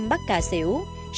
bắt cà xỉu bắt cà xỉu bắt cà xỉu